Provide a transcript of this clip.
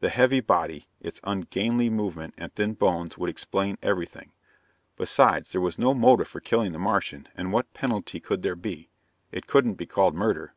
The heavy body, its ungainly movement and thin bones would explain everything. Besides, there was no motive for killing the Martian and what penalty could there be? It couldn't be called murder.